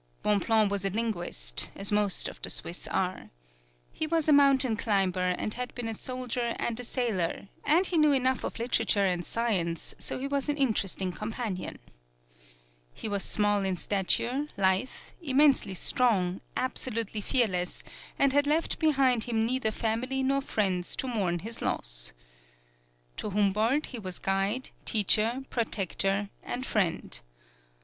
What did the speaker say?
Bonpland was a linguist, as most of the Swiss are. He was a mountain climber, and had been a soldier and a sailor, and he knew enough of literature and science, so he was an interesting companion. He was small in stature, lithe, immensely strong, absolutely fearless, and had left behind him neither family nor friends to mourn his loss. To Humboldt he was guide, teacher, protector and friend.